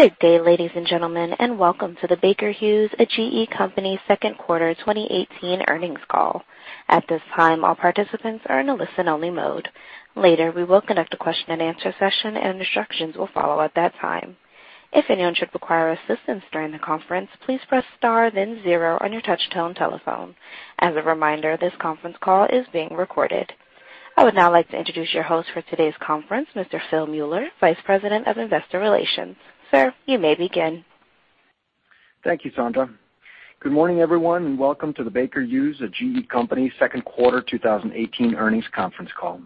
Good day, ladies and gentlemen. Welcome to the Baker Hughes, a GE company, second quarter 2018 earnings call. At this time, all participants are in a listen-only mode. Later, we will conduct a question and answer session. Instructions will follow at that time. If anyone should require assistance during the conference, please press star then zero on your touch-tone telephone. As a reminder, this conference call is being recorded. I would now like to introduce your host for today's conference, Mr. Phil Mueller, Vice President of Investor Relations. Sir, you may begin. Thank you, Sandra. Good morning, everyone. Welcome to the Baker Hughes, a GE company, second quarter 2018 earnings conference call.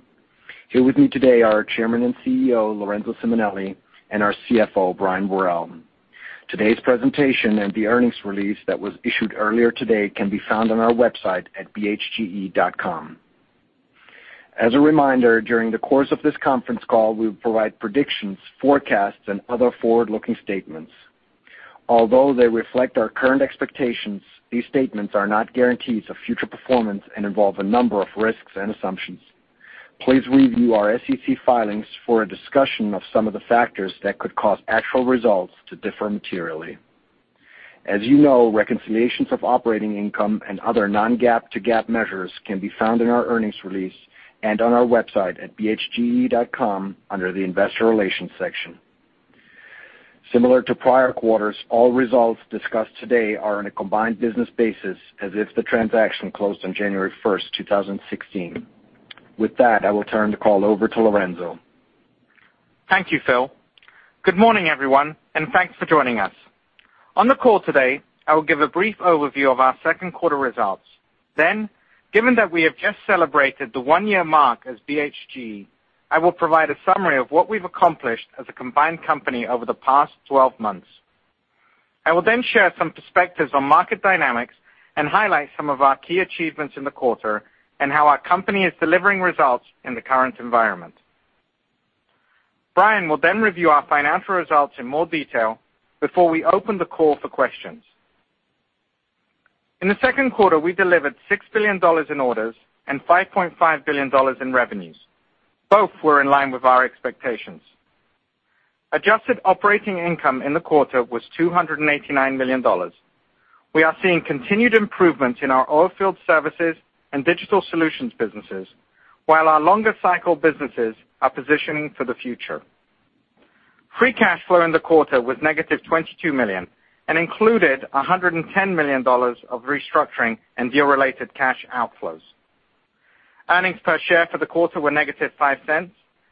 Here with me today are our Chairman and CEO, Lorenzo Simonelli, and our CFO, Brian Worrell. Today's presentation and the earnings release that was issued earlier today can be found on our website at bhge.com. As a reminder, during the course of this conference call, we will provide predictions, forecasts, and other forward-looking statements. Although they reflect our current expectations, these statements are not guarantees of future performance and involve a number of risks and assumptions. Please review our SEC filings for a discussion of some of the factors that could cause actual results to differ materially. As you know, reconciliations of operating income and other non-GAAP to GAAP measures can be found in our earnings release and on our website at bhge.com under the investor relations section. Similar to prior quarters, all results discussed today are on a combined business basis as if the transaction closed on January 1, 2016. With that, I will turn the call over to Lorenzo. Thank you, Phil. Good morning, everyone. Thanks for joining us. On the call today, I will give a brief overview of our second quarter results. Given that we have just celebrated the one-year mark as BHGE, I will provide a summary of what we have accomplished as a combined company over the past 12 months. I will then share some perspectives on market dynamics and highlight some of our key achievements in the quarter and how our company is delivering results in the current environment. Brian will review our financial results in more detail before we open the call for questions. In the second quarter, we delivered $6 billion in orders and $5.5 billion in revenues. Both were in line with our expectations. Adjusted operating income in the quarter was $289 million. We are seeing continued improvements in our Oilfield Services and Digital Solutions businesses, while our longer cycle businesses are positioning for the future. Free cash flow in the quarter was -$22 million and included $110 million of restructuring and deal-related cash outflows. Earnings per share for the quarter were -$0.05,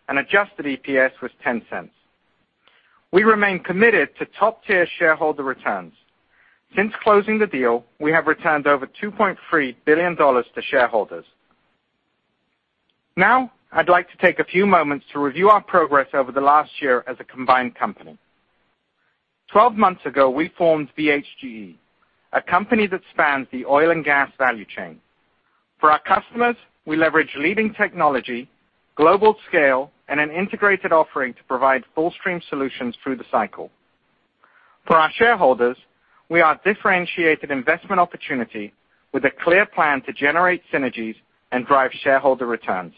and adjusted EPS was $0.10. We remain committed to top-tier shareholder returns. Since closing the deal, we have returned over $2.3 billion to shareholders. Now, I'd like to take a few moments to review our progress over the last year as a combined company. 12 months ago, we formed BHGE, a company that spans the oil and gas value chain. For our customers, we leverage leading technology, global scale, and an integrated offering to provide fullstream solutions through the cycle. For our shareholders, we are a differentiated investment opportunity with a clear plan to generate synergies and drive shareholder returns.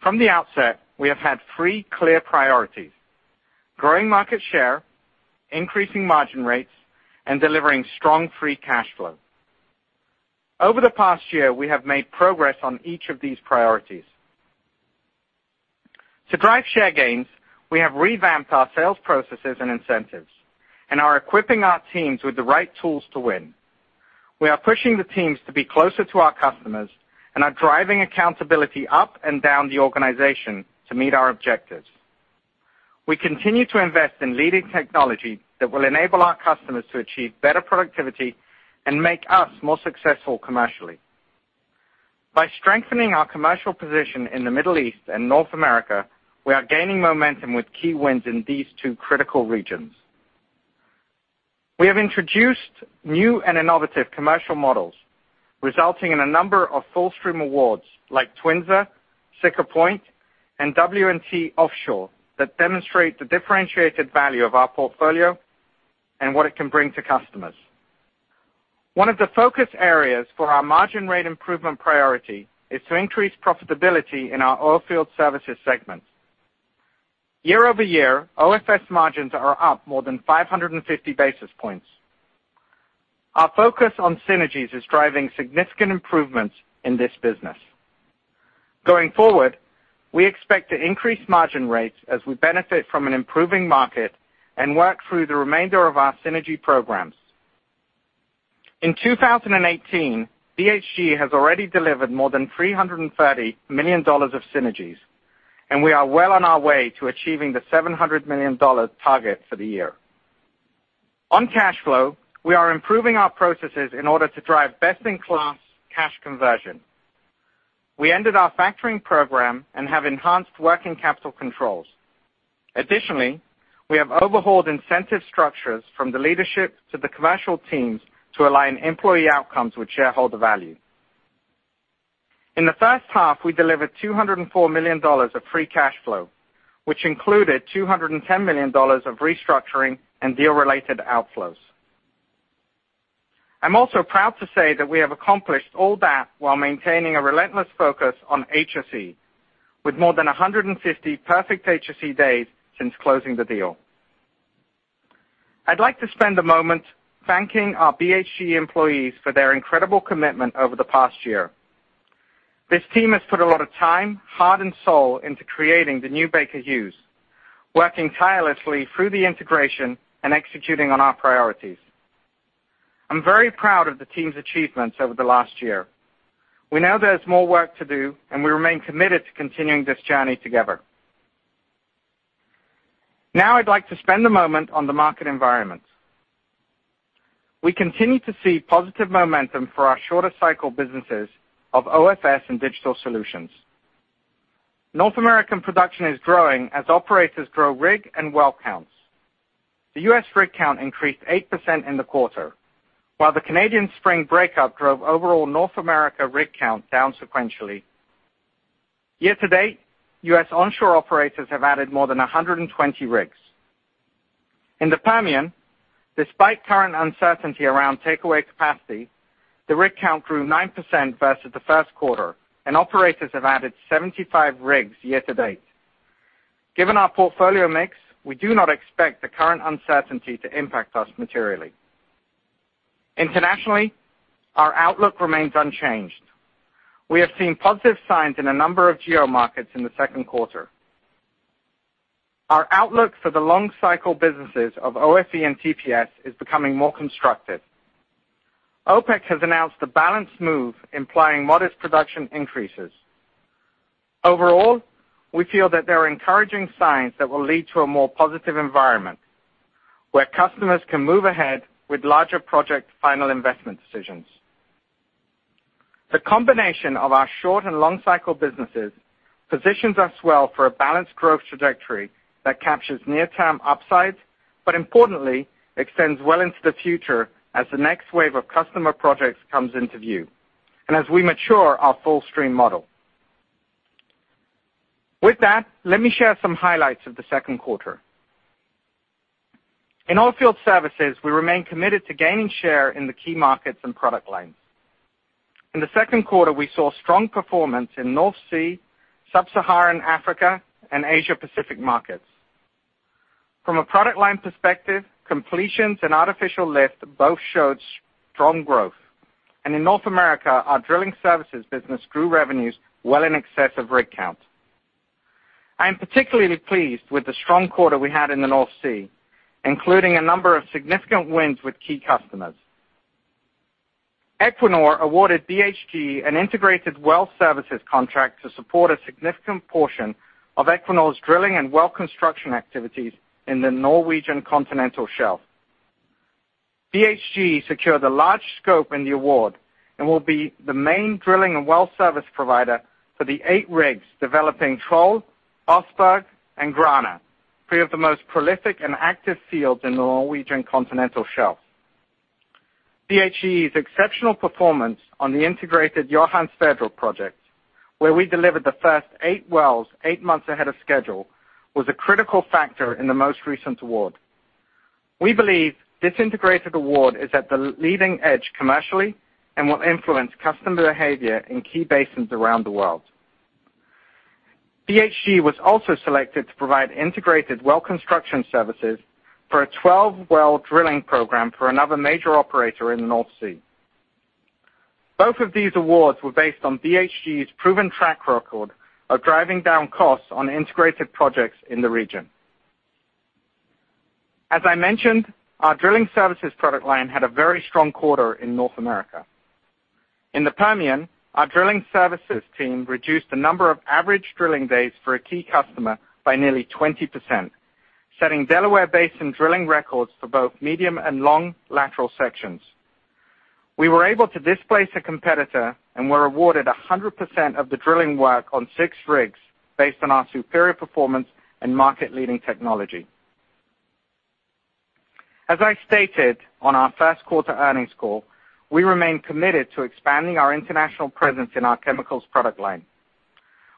From the outset, we have had three clear priorities: growing market share, increasing margin rates, and delivering strong free cash flow. Over the past year, we have made progress on each of these priorities. To drive share gains, we have revamped our sales processes and incentives and are equipping our teams with the right tools to win. We are pushing the teams to be closer to our customers and are driving accountability up and down the organization to meet our objectives. We continue to invest in leading technology that will enable our customers to achieve better productivity and make us more successful commercially. By strengthening our commercial position in the Middle East and North America, we are gaining momentum with key wins in these two critical regions. We have introduced new and innovative commercial models, resulting in a number of fullstream awards like Twinza, Siccar Point, and W&T Offshore that demonstrate the differentiated value of our portfolio and what it can bring to customers. One of the focus areas for our margin rate improvement priority is to increase profitability in our Oilfield Services segment. Year-over-year, OFS margins are up more than 550 basis points. Our focus on synergies is driving significant improvements in this business. Going forward, we expect to increase margin rates as we benefit from an improving market and work through the remainder of our synergy programs. In 2018, BHGE has already delivered more than $330 million of synergies, and we are well on our way to achieving the $700 million target for the year. On cash flow, we are improving our processes in order to drive best-in-class cash conversion. We ended our factoring program and have enhanced working capital controls. Additionally, we have overhauled incentive structures from the leadership to the commercial teams to align employee outcomes with shareholder value. In the first half, we delivered $204 million of free cash flow, which included $210 million of restructuring and deal-related outflows. I'm also proud to say that we have accomplished all that while maintaining a relentless focus on HSE, with more than 150 perfect HSE days since closing the deal. I'd like to spend a moment thanking our BHGE employees for their incredible commitment over the past year. This team has put a lot of time, heart, and soul into creating the new Baker Hughes, working tirelessly through the integration and executing on our priorities. I'm very proud of the team's achievements over the last year. We know there's more work to do, and we remain committed to continuing this journey together. Now I'd like to spend a moment on the market environment. We continue to see positive momentum for our shorter cycle businesses of OFS and Digital Solutions. North American production is growing as operators grow rig and well counts. The U.S. rig count increased 8% in the quarter, while the Canadian spring breakup drove overall North America rig count down sequentially. Year to date, U.S. onshore operators have added more than 120 rigs. In the Permian, despite current uncertainty around takeaway capacity, the rig count grew 9% versus the first quarter, and operators have added 75 rigs year to date. Given our portfolio mix, we do not expect the current uncertainty to impact us materially. Internationally, our outlook remains unchanged. We have seen positive signs in a number of geo markets in the second quarter. Our outlook for the long cycle businesses of OFE and TPS is becoming more constructive. OPEC has announced a balanced move implying modest production increases. Overall, we feel that there are encouraging signs that will lead to a more positive environment, where customers can move ahead with larger project final investment decisions. The combination of our short and long cycle businesses positions us well for a balanced growth trajectory that captures near-term upsides, but importantly extends well into the future as the next wave of customer projects comes into view, and as we mature our fullstream model. With that, let me share some highlights of the second quarter. In Oilfield Services, we remain committed to gaining share in the key markets and product lines. In the second quarter, we saw strong performance in North Sea, Sub-Saharan Africa, and Asia Pacific markets. From a product line perspective, completions and artificial lift both showed strong growth. In North America, our drilling services business grew revenues well in excess of rig count. I am particularly pleased with the strong quarter we had in the North Sea, including a number of significant wins with key customers. Equinor awarded BHGE an integrated well services contract to support a significant portion of Equinor's drilling and well construction activities in the Norwegian Continental Shelf. BHGE secured a large scope in the award and will be the main drilling and well service provider for the eight rigs developing Troll, Oseberg, and Grane, three of the most prolific and active fields in the Norwegian Continental Shelf. BHGE's exceptional performance on the integrated Johan Sverdrup project, where we delivered the first eight wells eight months ahead of schedule, was a critical factor in the most recent award. We believe this integrated award is at the leading edge commercially and will influence customer behavior in key basins around the world. BHGE was also selected to provide integrated well construction services for a 12-well drilling program for another major operator in the North Sea. Both of these awards were based on BHGE's proven track record of driving down costs on integrated projects in the region. As I mentioned, our drilling services product line had a very strong quarter in North America. In the Permian, our drilling services team reduced the number of average drilling days for a key customer by nearly 20%, setting Delaware Basin drilling records for both medium and long lateral sections. We were able to displace a competitor and were awarded 100% of the drilling work on six rigs based on our superior performance and market-leading technology. As I stated on our first quarter earnings call, we remain committed to expanding our international presence in our chemicals product line.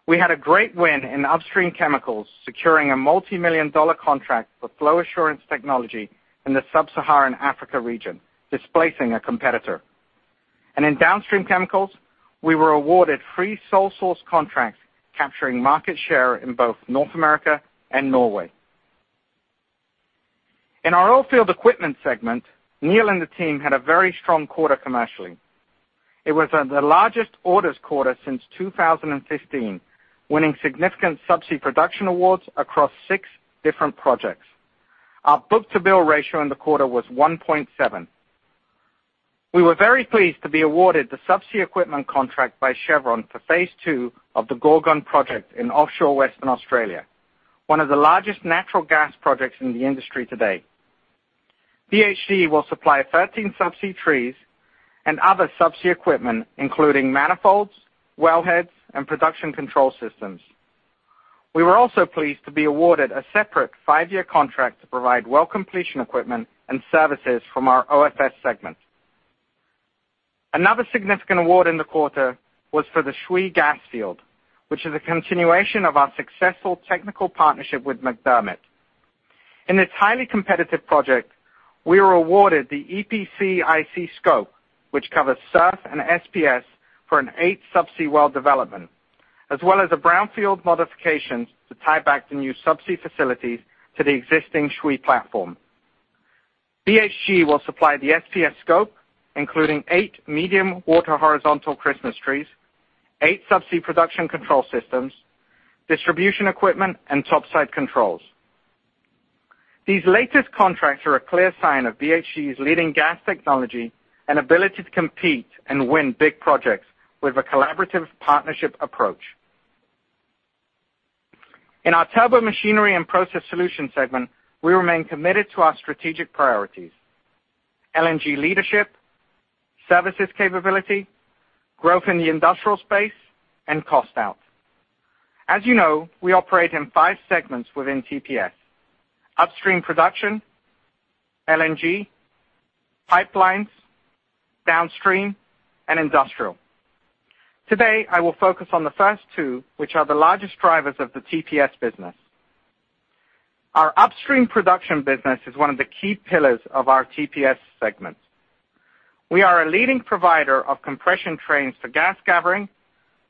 We had a great win in upstream chemicals, securing a multimillion-dollar contract for flow assurance technology in the Sub-Saharan Africa region, displacing a competitor. In downstream chemicals, we were awarded three sole source contracts, capturing market share in both North America and Norway. In our Oilfield Equipment segment, Neil and the team had a very strong quarter commercially. It was the largest orders quarter since 2015, winning significant subsea production awards across six different projects. Our book-to-bill ratio in the quarter was 1.7. We were very pleased to be awarded the subsea equipment contract by Chevron for phase two of the Gorgon project in offshore Western Australia, one of the largest natural gas projects in the industry today. BHGE will supply 13 subsea trees and other subsea equipment, including manifolds, wellheads, and production control systems. We were also pleased to be awarded a separate five-year contract to provide well completion equipment and services from our OFS segment. Another significant award in the quarter was for the Shwe gas field, which is a continuation of our successful technical partnership with McDermott. In this highly competitive project, we were awarded the EPCIC scope, which covers SURF and SPS for an eight subsea well development, as well as the brownfield modifications to tie back the new subsea facilities to the existing Shwe platform. BHGE will supply the SPS scope, including eight medium water horizontal Christmas trees, eight subsea production control systems, distribution equipment, and topside controls. These latest contracts are a clear sign of BHGE's leading gas technology and ability to compete and win big projects with a collaborative partnership approach. In our Turbomachinery & Process Solutions segment, we remain committed to our strategic priorities: LNG leadership, services capability, growth in the industrial space, and cost out. As you know, we operate in five segments within TPS: upstream production, LNG, pipelines, downstream, and industrial. Today, I will focus on the first two, which are the largest drivers of the TPS business. Our upstream production business is one of the key pillars of our TPS segment. We are a leading provider of compression trains for gas gathering,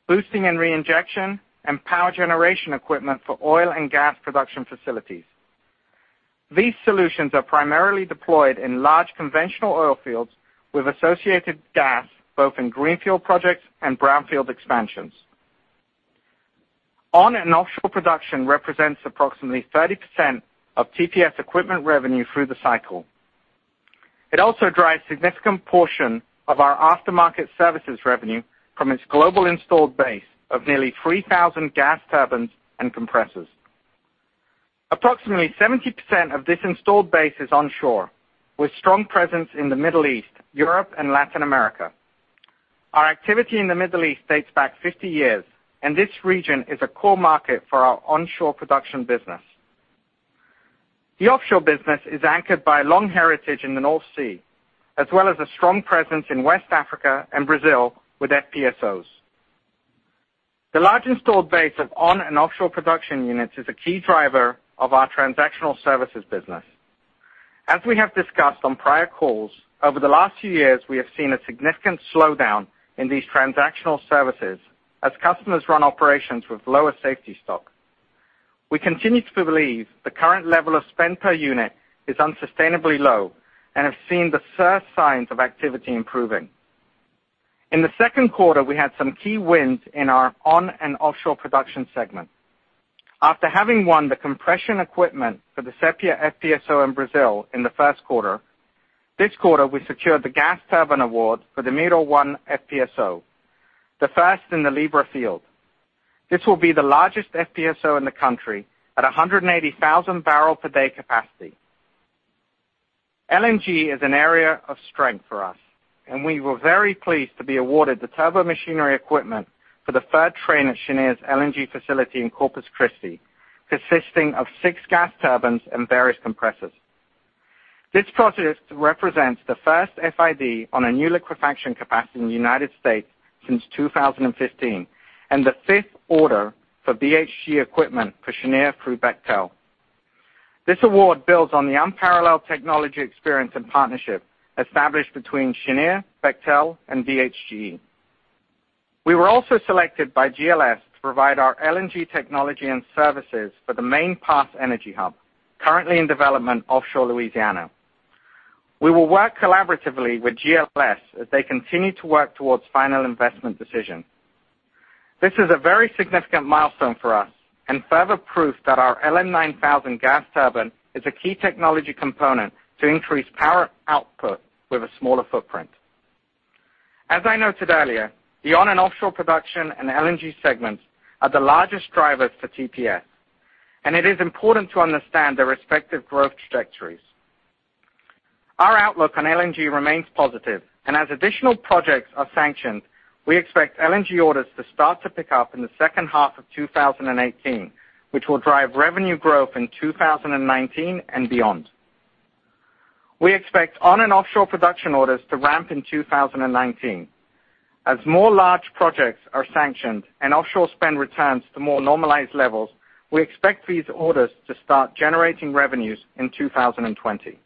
boosting and re-injection, and power generation equipment for oil and gas production facilities. These solutions are primarily deployed in large conventional oil fields with associated gas, both in greenfield projects and brownfield expansions. On and offshore production represents approximately 30% of TPS equipment revenue through the cycle. It also drives significant portion of our aftermarket services revenue from its global installed base of nearly 3,000 gas turbines and compressors. Approximately 70% of this installed base is onshore, with strong presence in the Middle East, Europe, and Latin America. Our activity in the Middle East dates back 50 years, and this region is a core market for our onshore production business. The offshore business is anchored by a long heritage in the North Sea, as well as a strong presence in West Africa and Brazil with FPSOs. The large installed base of on and offshore production units is a key driver of our transactional services business. As we have discussed on prior calls, over the last few years, we have seen a significant slowdown in these transactional services as customers run operations with lower safety stock. We continue to believe the current level of spend per unit is unsustainably low and have seen the first signs of activity improving. In the second quarter, we had some key wins in our on and offshore production segment. After having won the compression equipment for the Sepia FPSO in Brazil in the first quarter, this quarter we secured the gas turbine award for the Mero-1 FPSO, the first in the Libra field. This will be the largest FPSO in the country at 180,000 barrel per day capacity. LNG is an area of strength for us. We were very pleased to be awarded the turbomachinery equipment for the third train at Cheniere's LNG facility in Corpus Christi, consisting of six gas turbines and various compressors. This project represents the first FID on a new liquefaction capacity in the U.S. since 2015 and the fifth order for BHGE equipment for Cheniere through Bechtel. This award builds on the unparalleled technology experience and partnership established between Cheniere, Bechtel, and BHGE. We were also selected by GLS to provide our LNG technology and services for the Main Pass Energy Hub, currently in development offshore Louisiana. We will work collaboratively with GLS as they continue to work towards final investment decision. This is a very significant milestone for us and further proof that our LM9000 gas turbine is a key technology component to increase power output with a smaller footprint. As I noted earlier, the on and offshore production and LNG segments are the largest drivers for TPS. It is important to understand their respective growth trajectories. Our outlook on LNG remains positive. As additional projects are sanctioned, we expect LNG orders to start to pick up in the second half of 2018, which will drive revenue growth in 2019 and beyond. We expect on and offshore production orders to ramp in 2019. As more large projects are sanctioned and offshore spend returns to more normalized levels, we expect these orders to start generating revenues in 2020.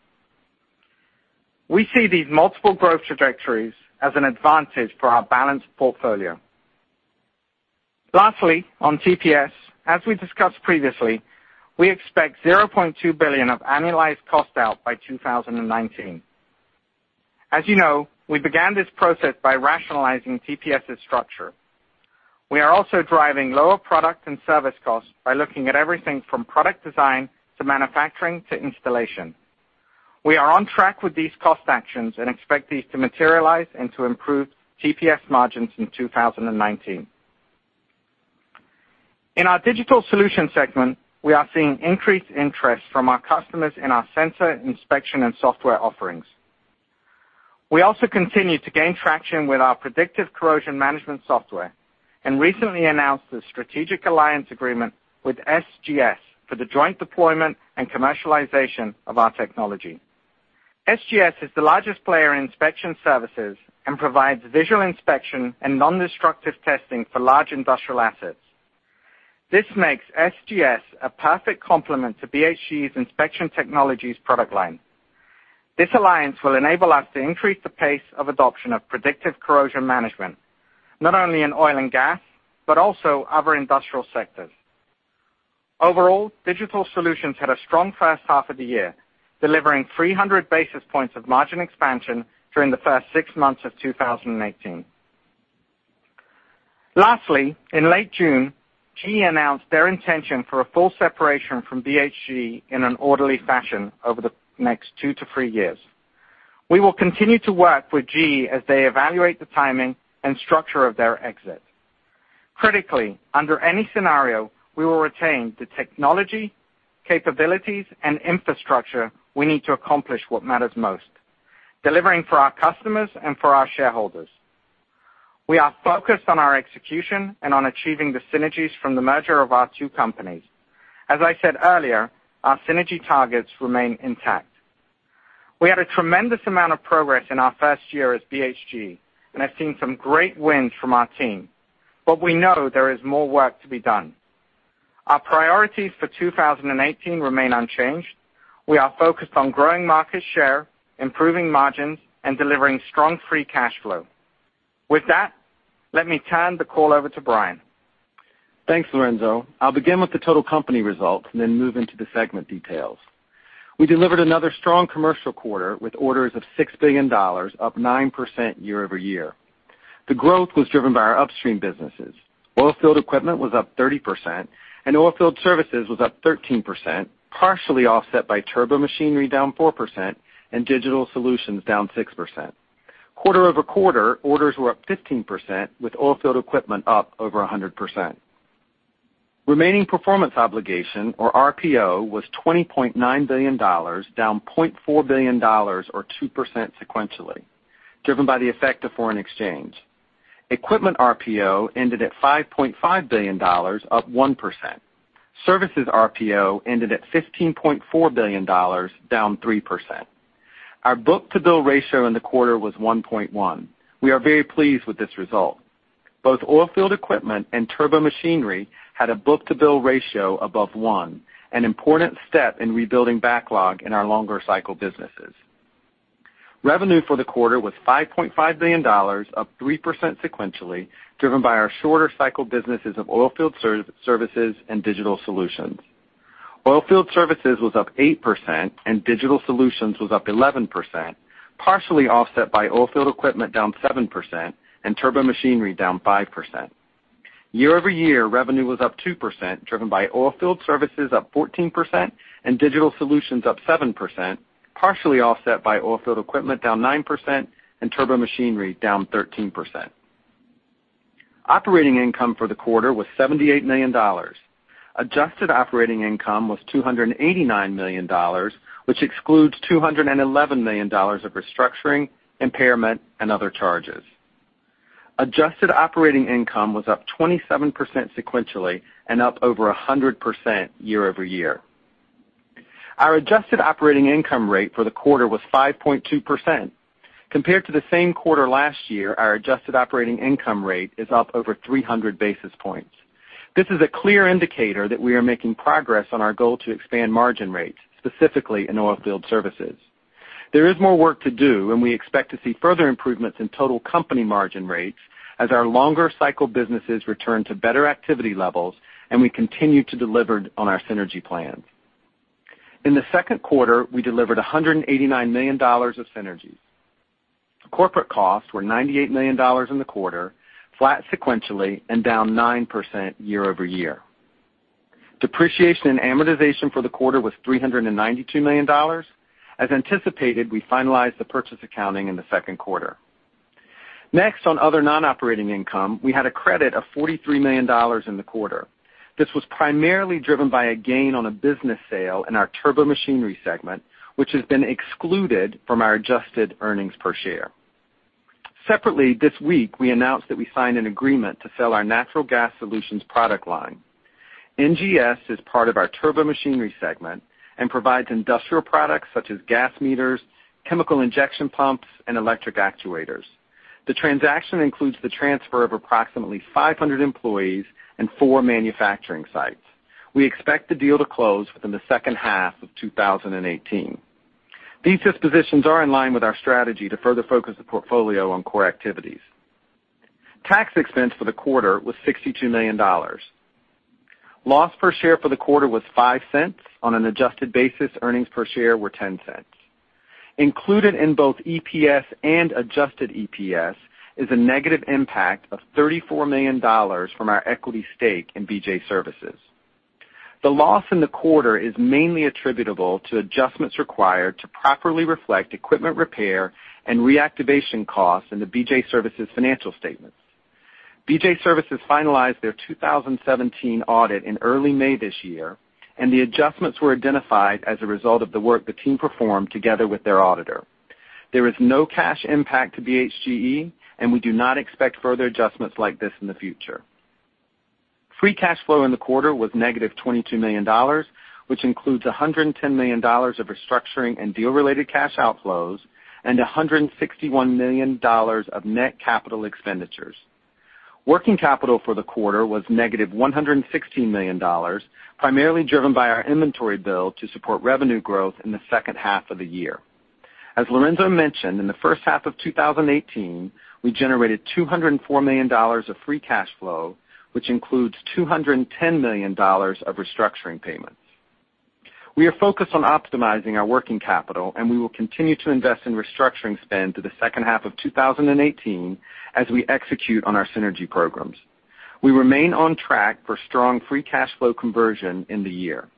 We see these multiple growth trajectories as an advantage for our balanced portfolio. Lastly, on TPS, as we discussed previously, we expect $0.2 billion of annualized cost out by 2019. As you know, we began this process by rationalizing TPS' structure. We are also driving lower product and service costs by looking at everything from product design to manufacturing to installation. We are on track with these cost actions and expect these to materialize and to improve TPS margins in 2019. In our Digital Solutions segment, we are seeing increased interest from our customers in our sensor inspection and software offerings. We also continue to gain traction with our predictive corrosion management software and recently announced a strategic alliance agreement with SGS for the joint deployment and commercialization of our technology. SGS is the largest player in inspection services and provides visual inspection and nondestructive testing for large industrial assets. This makes SGS a perfect complement to BHGE's inspection technologies product line. This alliance will enable us to increase the pace of adoption of predictive corrosion management, not only in oil and gas, but also other industrial sectors. Overall, Digital Solutions had a strong first half of the year, delivering 300 basis points of margin expansion during the first six months of 2018. Lastly, in late June, GE announced their intention for a full separation from BHGE in an orderly fashion over the next two to three years. We will continue to work with GE as they evaluate the timing and structure of their exit. Critically, under any scenario, we will retain the technology, capabilities, and infrastructure we need to accomplish what matters most, delivering for our customers and for our shareholders. We are focused on our execution and on achieving the synergies from the merger of our two companies. As I said earlier, our synergy targets remain intact. We had a tremendous amount of progress in our first year as BHGE, and have seen some great wins from our team, but we know there is more work to be done. Our priorities for 2018 remain unchanged. We are focused on growing market share, improving margins, and delivering strong free cash flow. With that, let me turn the call over to Brian. Thanks, Lorenzo. I'll begin with the total company results and then move into the segment details. We delivered another strong commercial quarter with orders of $6 billion, up 9% year-over-year. The growth was driven by our upstream businesses. Oilfield Equipment was up 30% and Oilfield Services was up 13%, partially offset by Turbomachinery down 4% and Digital Solutions down 6%. Quarter-over-quarter, orders were up 15%, with Oilfield Equipment up over 100%. Remaining performance obligation, or RPO, was $20.9 billion, down $20.4 billion or 2% sequentially, driven by the effect of foreign exchange. Equipment RPO ended at $5.5 billion, up 1%. Services RPO ended at $15.4 billion, down 3%. Our book-to-bill ratio in the quarter was 1.1. We are very pleased with this result. Both Oilfield Equipment and Turbomachinery had a book-to-bill ratio above 1, an important step in rebuilding backlog in our longer cycle businesses. Revenue for the quarter was $5.5 billion, up 3% sequentially, driven by our shorter cycle businesses of Oilfield Services and Digital Solutions. Oilfield Services was up 8% and Digital Solutions was up 11%, partially offset by Oilfield Equipment down 7% and Turbomachinery down 5%. Year-over-year, revenue was up 2%, driven by Oilfield Services up 14% and Digital Solutions up 7%, partially offset by Oilfield Equipment down 9% and Turbomachinery down 13%. Operating income for the quarter was $78 million. Adjusted operating income was $289 million, which excludes $211 million of restructuring, impairment, and other charges. Adjusted operating income was up 27% sequentially and up over 100% year-over-year. Our adjusted operating income rate for the quarter was 5.2%. Compared to the same quarter last year, our adjusted operating income rate is up over 300 basis points. This is a clear indicator that we are making progress on our goal to expand margin rates, specifically in Oilfield Services. There is more work to do, and we expect to see further improvements in total company margin rates as our longer cycle businesses return to better activity levels and we continue to deliver on our synergy plans. In the second quarter, we delivered $189 million of synergies. Corporate costs were $98 million in the quarter, flat sequentially and down 9% year-over-year. Depreciation and amortization for the quarter was $392 million. As anticipated, we finalized the purchase accounting in the second quarter. On other non-operating income, we had a credit of $43 million in the quarter. This was primarily driven by a gain on a business sale in our Turbomachinery segment, which has been excluded from our adjusted earnings per share. Separately, this week, we announced that we signed an agreement to sell our Natural Gas Solutions product line. NGS is part of our Turbomachinery segment and provides industrial products such as gas meters, chemical injection pumps, and electric actuators. The transaction includes the transfer of approximately 500 employees and four manufacturing sites. We expect the deal to close within the second half of 2018. These dispositions are in line with our strategy to further focus the portfolio on core activities. Tax expense for the quarter was $62 million. Loss per share for the quarter was $0.05. On an adjusted basis, earnings per share were $0.10. Included in both EPS and adjusted EPS is a negative impact of $34 million from our equity stake in BJ Services. The loss in the quarter is mainly attributable to adjustments required to properly reflect equipment repair and reactivation costs in the BJ Services financial statements. BJ Services finalized their 2017 audit in early May this year, and the adjustments were identified as a result of the work the team performed together with their auditor. There is no cash impact to BHGE, and we do not expect further adjustments like this in the future. Free cash flow in the quarter was negative $22 million, which includes $110 million of restructuring and deal-related cash outflows and $161 million of net capital expenditures. Working capital for the quarter was negative $116 million, primarily driven by our inventory build to support revenue growth in the second half of the year. As Lorenzo mentioned, in the first half of 2018, we generated $204 million of free cash flow, which includes $210 million of restructuring payments. We are focused on optimizing our working capital, and we will continue to invest in restructuring spend through the second half of 2018 as we execute on our synergy programs. We remain on track for strong free cash flow conversion in the year.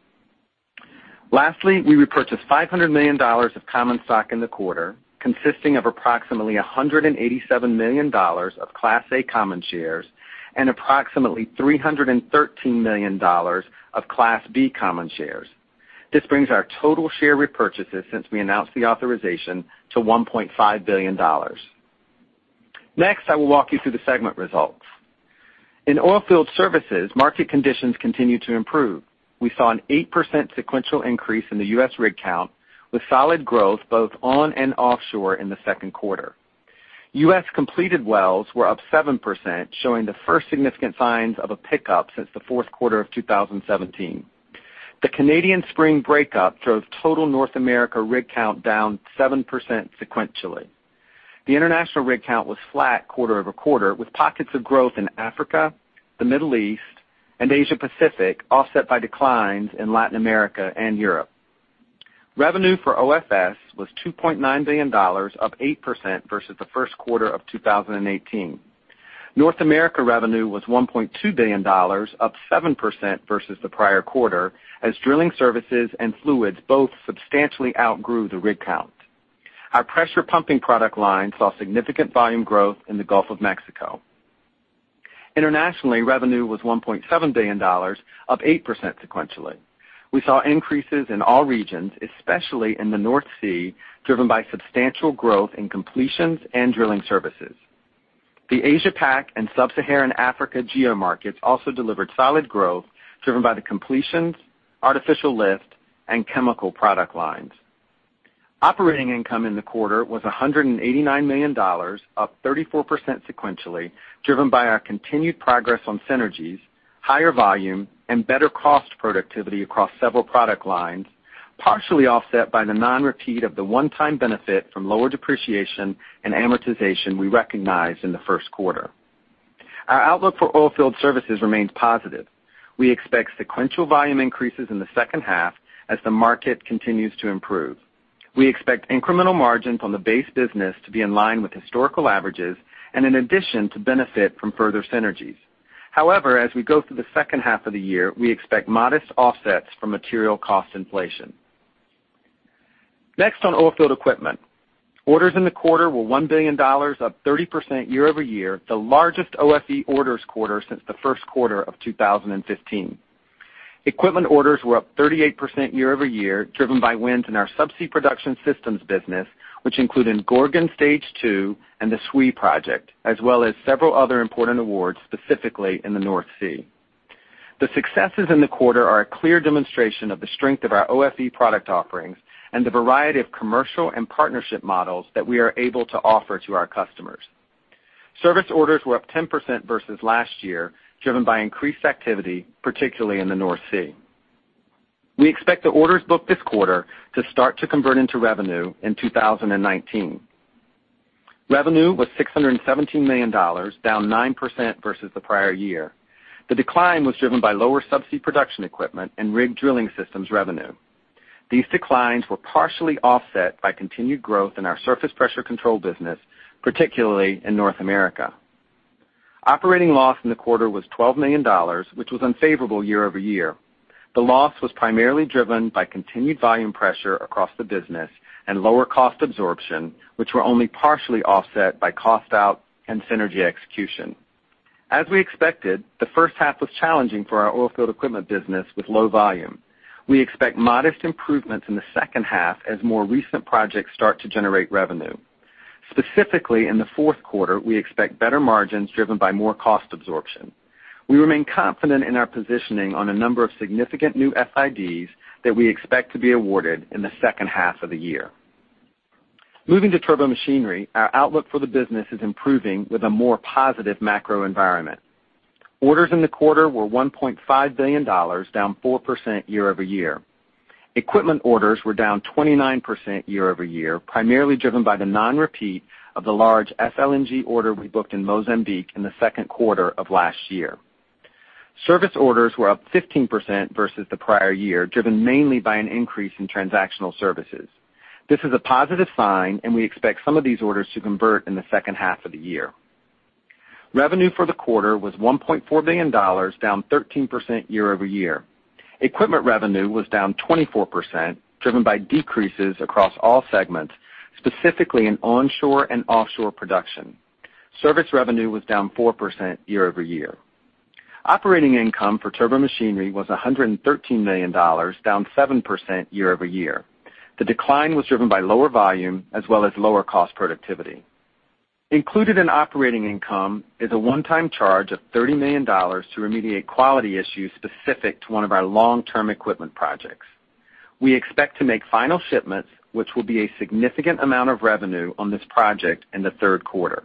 We repurchased $500 million of common stock in the quarter, consisting of approximately $187 million of Class A common shares and approximately $313 million of Class B common shares. This brings our total share repurchases since we announced the authorization to $1.5 billion. I will walk you through the segment results. In Oilfield Services, market conditions continue to improve. We saw an 8% sequential increase in the U.S. rig count, with solid growth both on and offshore in the second quarter. U.S. completed wells were up 7%, showing the first significant signs of a pickup since the fourth quarter of 2017. The Canadian spring break-up drove total North America rig count down 7% sequentially. The international rig count was flat quarter-over-quarter, with pockets of growth in Africa, the Middle East, and Asia Pacific, offset by declines in Latin America and Europe. Revenue for OFS was $2.9 billion, up 8% versus the first quarter of 2018. North America revenue was $1.2 billion, up 7% versus the prior quarter, as drilling services and fluids both substantially outgrew the rig count. Our pressure pumping product line saw significant volume growth in the Gulf of Mexico. Internationally, revenue was $1.7 billion, up 8% sequentially. We saw increases in all regions, especially in the North Sea, driven by substantial growth in completions and drilling services. The Asia Pac and Sub-Saharan Africa geomarkets also delivered solid growth, driven by the completions, artificial lift, and chemical product lines. Operating income in the quarter was $189 million, up 34% sequentially, driven by our continued progress on synergies, higher volume, and better cost productivity across several product lines, partially offset by the one-time benefit from lower depreciation and amortization we recognized in the first quarter. Our outlook for Oilfield Services remains positive. We expect sequential volume increases in the second half as the market continues to improve. We expect incremental margins on the base business to be in line with historical averages and in addition to benefit from further synergies. However, as we go through the second half of the year, we expect modest offsets from material cost inflation. Next on Oilfield Equipment. Orders in the quarter were $1 billion, up 30% year-over-year, the largest OFE orders quarter since the first quarter of 2015. Equipment orders were up 38% year-over-year, driven by wins in our subsea production systems business, which include in Gorgon Stage 2 and the Shwe project, as well as several other important awards, specifically in the North Sea. The successes in the quarter are a clear demonstration of the strength of our OFE product offerings and the variety of commercial and partnership models that we are able to offer to our customers. Service orders were up 10% versus last year, driven by increased activity, particularly in the North Sea. We expect the orders booked this quarter to start to convert into revenue in 2019. Revenue was $617 million, down 9% versus the prior year. The decline was driven by lower subsea production equipment and rig drilling systems revenue. These declines were partially offset by continued growth in our surface pressure control business, particularly in North America. Operating loss in the quarter was $12 million, which was unfavorable year-over-year. The loss was primarily driven by continued volume pressure across the business and lower cost absorption, which were only partially offset by cost out and synergy execution. As we expected, the first half was challenging for our Oilfield Equipment business with low volume. We expect modest improvements in the second half as more recent projects start to generate revenue. Specifically, in the fourth quarter, we expect better margins driven by more cost absorption. We remain confident in our positioning on a number of significant new FIDs that we expect to be awarded in the second half of the year. Moving to Turbomachinery, our outlook for the business is improving with a more positive macro environment. Orders in the quarter were $1.5 billion, down 4% year-over-year. Equipment orders were down 29% year-over-year, primarily driven by the non-repeat of the large FLNG order we booked in Mozambique in the second quarter of last year. Service orders were up 15% versus the prior year, driven mainly by an increase in transactional services. This is a positive sign, and we expect some of these orders to convert in the second half of the year. Revenue for the quarter was $1.4 billion, down 13% year-over-year. Equipment revenue was down 24%, driven by decreases across all segments, specifically in onshore and offshore production. Service revenue was down 4% year-over-year. Operating income for Turbomachinery was $113 million, down 7% year-over-year. The decline was driven by lower volume as well as lower cost productivity. Included in operating income is a one-time charge of $30 million to remediate quality issues specific to one of our long-term equipment projects. We expect to make final shipments, which will be a significant amount of revenue on this project in the third quarter.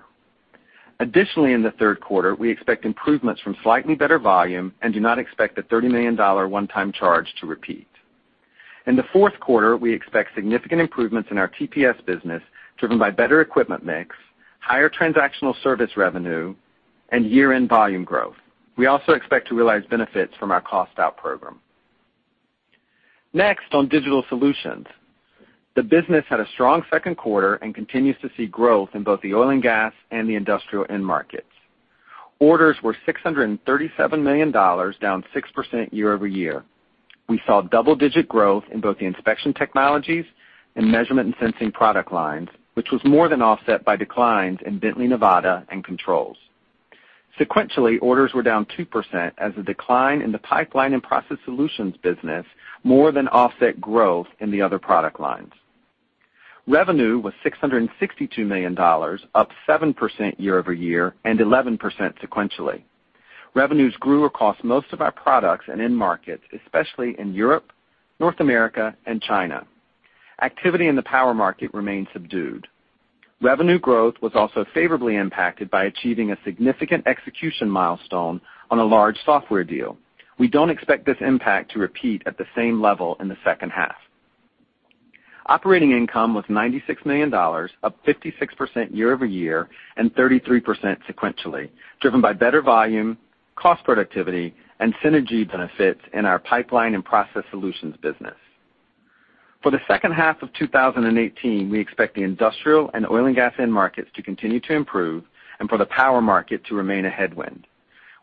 Additionally, in the third quarter, we expect improvements from slightly better volume and do not expect the $30 million one-time charge to repeat. In the fourth quarter, we expect significant improvements in our TPS business, driven by better equipment mix, higher transactional service revenue, and year-end volume growth. We also expect to realize benefits from our cost-out program. Next, on Digital Solutions. The business had a strong second quarter and continues to see growth in both the oil and gas and the industrial end markets. Orders were $637 million, down 6% year-over-year. We saw double-digit growth in both the inspection technologies and measurement and sensing product lines, which was more than offset by declines in Bently Nevada and controls. Sequentially, orders were down 2% as the decline in the Process & Pipeline Services business more than offset growth in the other product lines. Revenue was $662 million, up 7% year-over-year and 11% sequentially. Revenues grew across most of our products and end markets, especially in Europe, North America, and China. Activity in the power market remained subdued. Revenue growth was also favorably impacted by achieving a significant execution milestone on a large software deal. We don't expect this impact to repeat at the same level in the second half. Operating income was $96 million, up 56% year-over-year and 33% sequentially, driven by better volume, cost productivity, and synergy benefits in our Process & Pipeline Services business. For the second half of 2018, we expect the industrial and oil and gas end markets to continue to improve and for the power market to remain a headwind.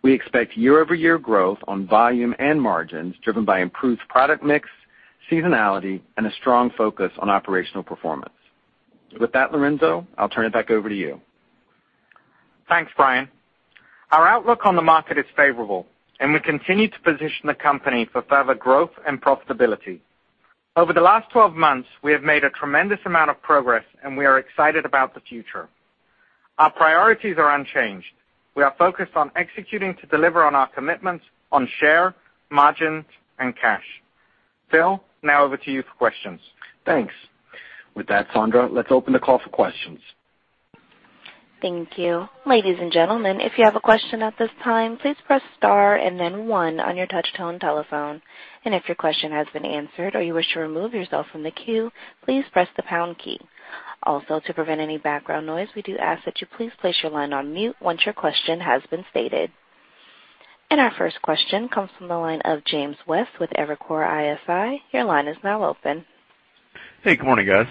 We expect year-over-year growth on volume and margins driven by improved product mix, seasonality, and a strong focus on operational performance. With that, Lorenzo, I'll turn it back over to you. Thanks, Brian. Our outlook on the market is favorable, and we continue to position the company for further growth and profitability. Over the last 12 months, we have made a tremendous amount of progress, and we are excited about the future. Our priorities are unchanged. We are focused on executing to deliver on our commitments on share, margins, and cash. Phil, now over to you for questions. Thanks. With that, Sandra, let's open the call for questions. Thank you. Ladies and gentlemen, if you have a question at this time, please press star and then one on your touch-tone telephone. If your question has been answered or you wish to remove yourself from the queue, please press the pound key. To prevent any background noise, we do ask that you please place your line on mute once your question has been stated. Our first question comes from the line of James West with Evercore ISI. Your line is now open. Hey, good morning, guys.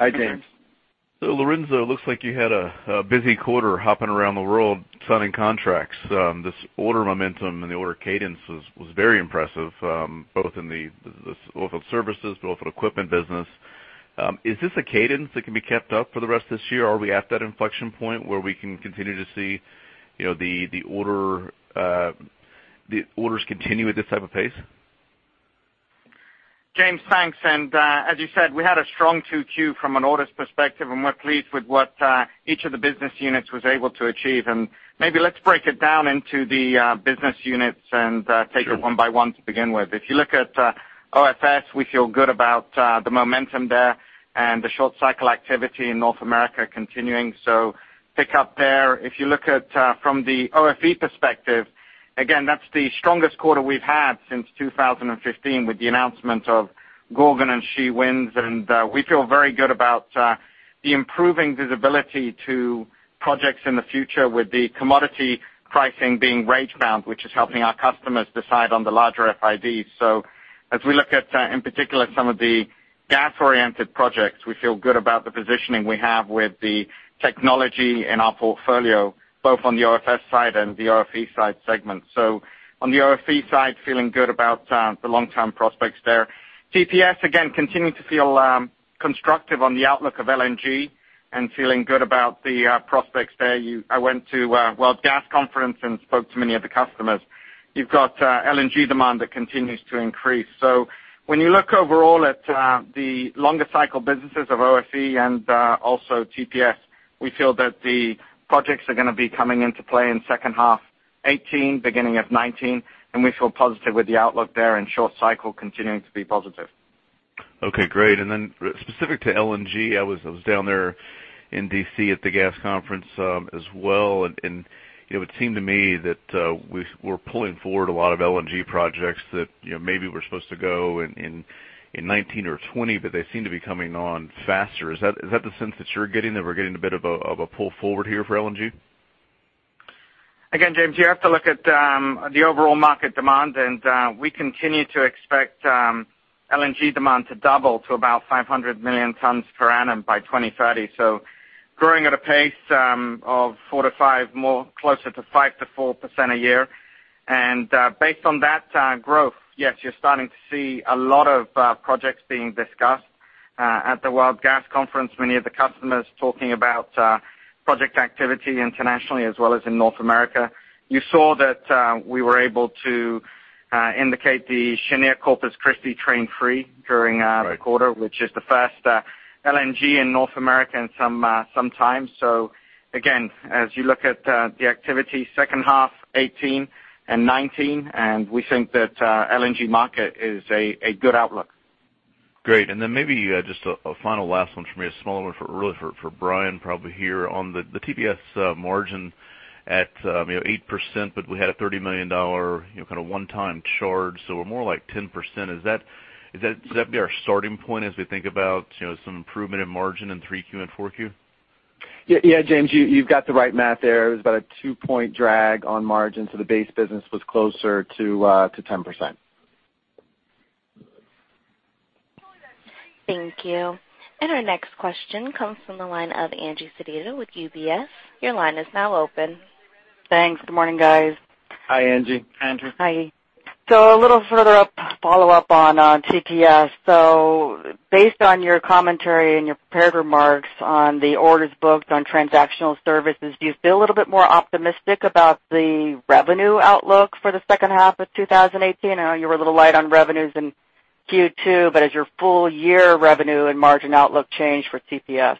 Hi, James. Hi, James. Lorenzo, looks like you had a busy quarter hopping around the world signing contracts. This order momentum and the order cadence was very impressive, both on services, both on equipment business. Is this a cadence that can be kept up for the rest of this year? Are we at that inflection point where we can continue to see the orders continue at this type of pace? James, thanks. As you said, we had a strong 2Q from an orders perspective, and we're pleased with what each of the business units was able to achieve. Maybe let's break it down into the business units and take it one by one to begin with. If you look at OFS, we feel good about the momentum there and the short cycle activity in North America continuing. Pick up there. If you look at from the OFE perspective, again, that's the strongest quarter we've had since 2015 with the announcement of Gorgon and Shwe, and we feel very good about the improving visibility to projects in the future with the commodity pricing being rate-bound, which is helping our customers decide on the larger FIDs. As we look at, in particular, some of the gas-oriented projects, we feel good about the positioning we have with the technology in our portfolio, both on the OFS side and the OFE side segment. On the OFE side, feeling good about the long-term prospects there. TPS, again, continuing to feel constructive on the outlook of LNG and feeling good about the prospects there. I went to World Gas Conference and spoke to many of the customers. You've got LNG demand that continues to increase. When you look overall at the longer cycle businesses of OFE and also TPS, we feel that the projects are going to be coming into play in second half 2018, beginning of 2019, and we feel positive with the outlook there and short cycle continuing to be positive. Okay, great. Specific to LNG, I was down there in D.C. at the gas conference as well, and it would seem to me that we're pulling forward a lot of LNG projects that maybe were supposed to go in 2019 or 2020, but they seem to be coming on faster. Is that the sense that you're getting, that we're getting a bit of a pull forward here for LNG? Again, James, you have to look at the overall market demand, and we continue to expect LNG demand to double to about 500 million tons per annum by 2030. Growing at a pace of 4 to 5, closer to 5%-4% a year. Based on that growth, yes, you're starting to see a lot of projects being discussed. At the World Gas Conference, many of the customers talking about project activity internationally as well as in North America. You saw that we were able to Indicate the Cheniere Corpus Christi train 3 during our quarter, which is the first LNG in North America in some time. Again, as you look at the activity second half 2018 and 2019, and we think that LNG market is a good outlook. Great. Maybe just a final last one from me, a small one really for Brian, probably here on the TPS margin at 8%, but we had a $30 million kind of one-time charge, so we're more like 10%. Is that going to be our starting point as we think about some improvement in margin in three Q and four Q? Yeah. James, you've got the right math there. It was about a two-point drag on margin, so the base business was closer to 10%. Thank you. Our next question comes from the line of Angie Sedita with UBS. Your line is now open. Thanks. Good morning, guys. Hi, Angie. Andrew. Hi. A little further follow-up on TPS. Based on your commentary and your prepared remarks on the orders booked on transactional services, do you feel a little bit more optimistic about the revenue outlook for the second half of 2018? I know you were a little light on revenues in Q2, but has your full year revenue and margin outlook changed for TPS? Yeah,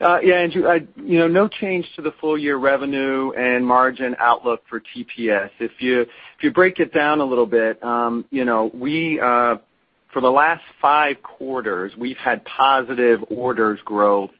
Angie, no change to the full year revenue and margin outlook for TPS. If you break it down a little bit, for the last five quarters, we've had positive orders growth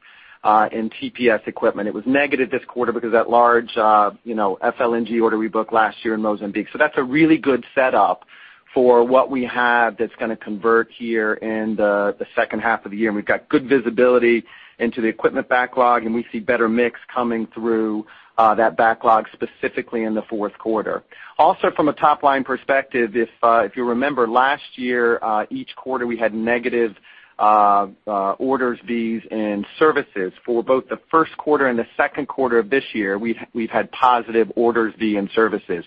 in TPS equipment. It was negative this quarter because that large FLNG order we booked last year in Mozambique. That's a really good setup for what we have that's going to convert here in the second half of the year. We've got good visibility into the equipment backlog, and we see better mix coming through that backlog, specifically in the fourth quarter. Also from a top-line perspective, if you remember last year, each quarter we had negative orders, VEs, and services. For both the first quarter and the second quarter of this year, we've had positive orders, VE, and services.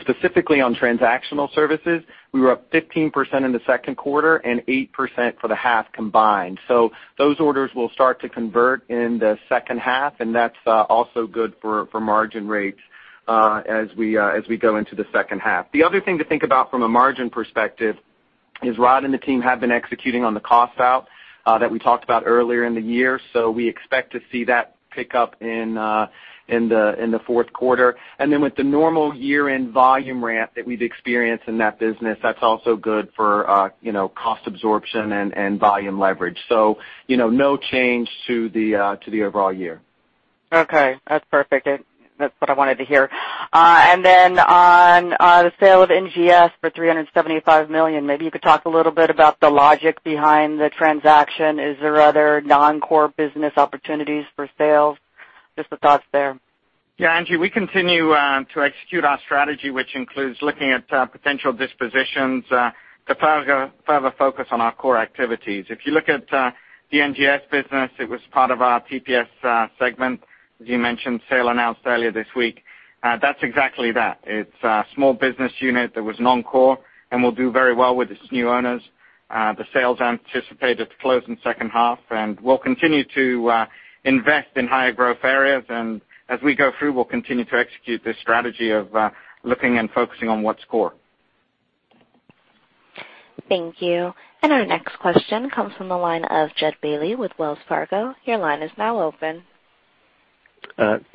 Specifically on transactional services, we were up 15% in the second quarter and 8% for the half combined. Those orders will start to convert in the second half, and that's also good for margin rates as we go into the second half. The other thing to think about from a margin perspective is Rod and the team have been executing on the cost out that we talked about earlier in the year. We expect to see that pick up in the fourth quarter. With the normal year-end volume ramp that we've experienced in that business, that's also good for cost absorption and volume leverage. No change to the overall year. Okay, that's perfect. That's what I wanted to hear. On the sale of NGS for $375 million, maybe you could talk a little bit about the logic behind the transaction. Is there other non-core business opportunities for sale? Just the thoughts there. Yeah, Angie Sedita, we continue to execute our strategy, which includes looking at potential dispositions to further focus on our core activities. If you look at the NGS business, it was part of our TPS segment, as you mentioned, sale announced earlier this week. That's exactly that. It's a small business unit that was non-core and will do very well with its new owners. The sale is anticipated to close in the second half. We'll continue to invest in higher growth areas. As we go through, we'll continue to execute this strategy of looking and focusing on what's core. Thank you. Our next question comes from the line of Jud Bailey with Wells Fargo. Your line is now open.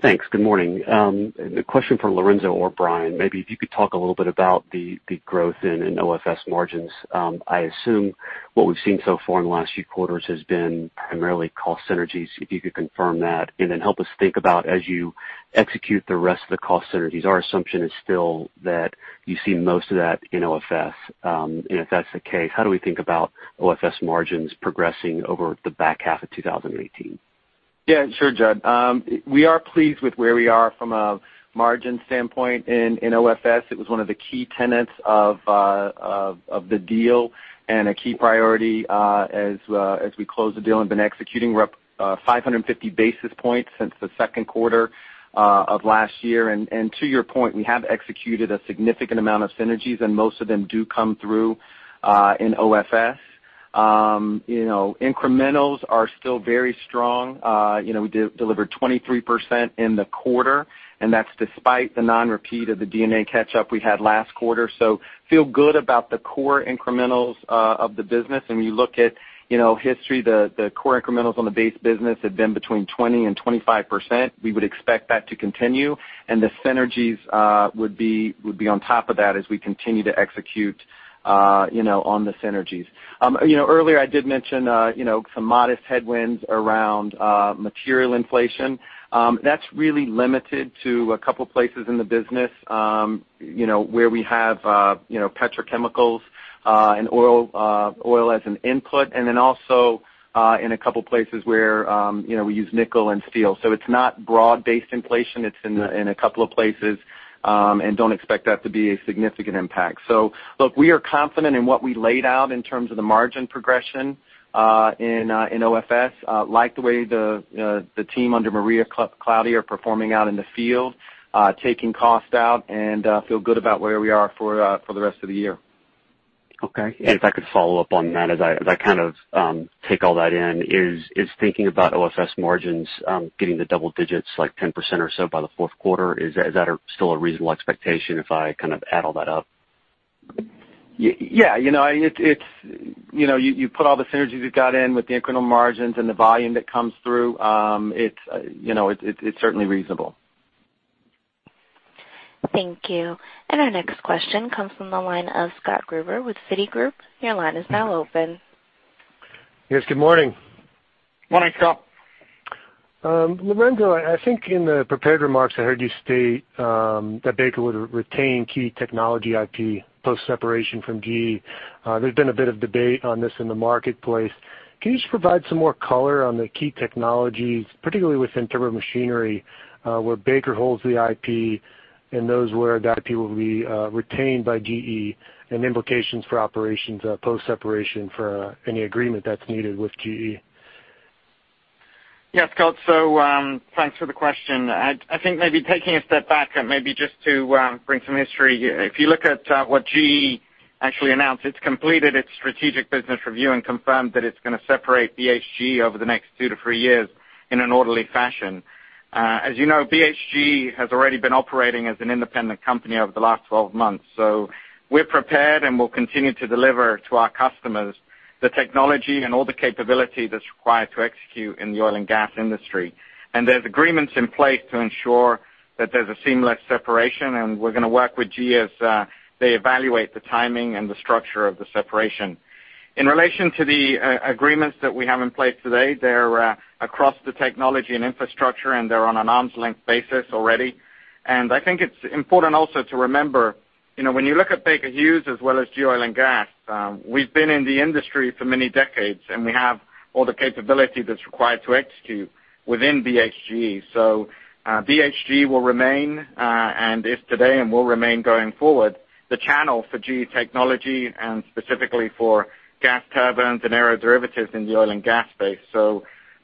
Thanks. Good morning. A question for Lorenzo or Brian, maybe if you could talk a little bit about the growth in OFS margins. I assume what we've seen so far in the last few quarters has been primarily cost synergies. If you could confirm that and then help us think about as you execute the rest of the cost synergies, our assumption is still that you've seen most of that in OFS. If that's the case, how do we think about OFS margins progressing over the back half of 2018? Yeah, sure, Jud. We are pleased with where we are from a margin standpoint in OFS. It was one of the key tenets of the deal and a key priority as we closed the deal and been executing. We're up 550 basis points since the second quarter of last year. To your point, we have executed a significant amount of synergies, and most of them do come through in OFS. Incrementals are still very strong. We delivered 23% in the quarter, and that's despite the non-repeat of the D&A catch up we had last quarter. Feel good about the core incrementals of the business. When you look at history, the core incrementals on the base business have been between 20% and 25%. We would expect that to continue, and the synergies would be on top of that as we continue to execute on the synergies. Earlier I did mention some modest headwinds around material inflation. That's really limited to a couple places in the business where we have petrochemicals and oil as an input, and then also in a couple places where we use nickel and steel. It's not broad-based inflation, it's in a couple of places, and don't expect that to be a significant impact. We are confident in what we laid out in terms of the margin progression in OFS. Like the way the team under Maria Claudia are performing out in the field, taking cost out and feel good about where we are for the rest of the year. Okay. If I could follow up on that as I take all that in. Is thinking about OFS margins getting to double digits, like 10% or so by the fourth quarter, is that still a reasonable expectation if I add all that up? Yeah. You put all the synergies you've got in with the incremental margins and the volume that comes through, it's certainly reasonable. Thank you. Our next question comes from the line of Scott Gruber with Citigroup. Your line is now open. Yes, good morning. Morning, Scott. Lorenzo, I think in the prepared remarks, I heard you state that Baker would retain key technology IP post-separation from GE. There's been a bit of debate on this in the marketplace. Can you just provide some more color on the key technologies, particularly within Turbomachinery, where Baker holds the IP and those where that IP will be retained by GE and implications for operations post-separation for any agreement that's needed with GE? Yeah, Scott. Thanks for the question. I think maybe taking a step back, maybe just to bring some history. If you look at what GE actually announced, it's completed its strategic business review and confirmed that it's going to separate BHGE over the next two to three years in an orderly fashion. As you know, BHGE has already been operating as an independent company over the last 12 months. We're prepared, and we'll continue to deliver to our customers the technology and all the capability that's required to execute in the oil and gas industry. There's agreements in place to ensure that there's a seamless separation, and we're going to work with GE as they evaluate the timing and the structure of the separation. In relation to the agreements that we have in place today, they're across the technology and infrastructure, and they're on an arm's length basis already. I think it's important also to remember, when you look at Baker Hughes as well as GE Oil and Gas, we've been in the industry for many decades, and we have all the capability that's required to execute within BHGE. BHGE will remain, and is today and will remain going forward, the channel for GE technology and specifically for gas turbines and aeroderivatives in the oil and gas space.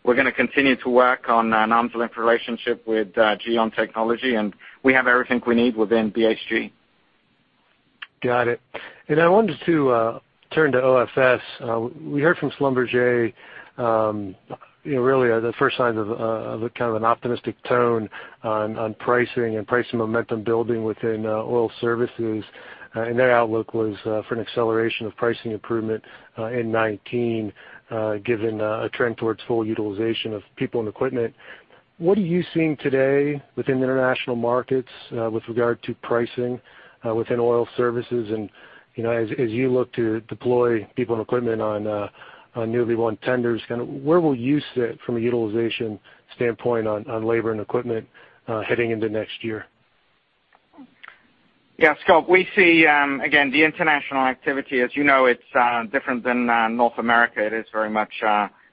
We're going to continue to work on an arm's length relationship with GE on technology, and we have everything we need within BHGE. Got it. I wanted to turn to OFS. We heard from Schlumberger really the first signs of kind of an optimistic tone on pricing and pricing momentum building within Oilfield Services, and their outlook was for an acceleration of pricing improvement in 2019, given a trend towards full utilization of people and equipment. What are you seeing today within the international markets with regard to pricing within Oilfield Services? As you look to deploy people and equipment on newly won tenders, where will you sit from a utilization standpoint on labor and equipment heading into next year? Yeah, Scott. We see, again, the international activity. As you know, it's different than North America. It is very much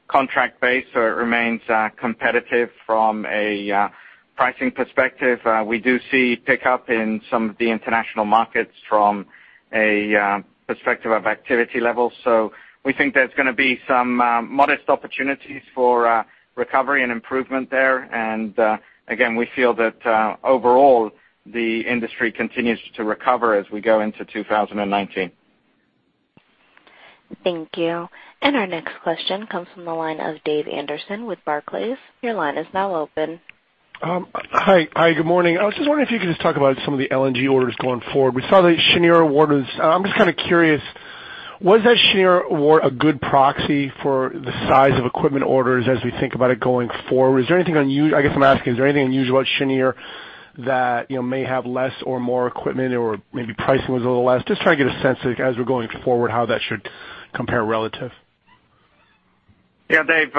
contract-based, it remains competitive from a pricing perspective. We do see pickup in some of the international markets from a perspective of activity levels. We think there's going to be some modest opportunities for recovery and improvement there. Again, we feel that overall, the industry continues to recover as we go into 2019. Thank you. Our next question comes from the line of David Anderson with Barclays. Your line is now open. Hi, good morning. I was just wondering if you could just talk about some of the LNG orders going forward. We saw the Cheniere orders. I'm just kind of curious, was that Cheniere award a good proxy for the size of equipment orders as we think about it going forward? I guess I'm asking, is there anything unusual at Cheniere that may have less or more equipment or maybe pricing was a little less? Just trying to get a sense as we're going forward how that should compare relative. Yeah, Dave.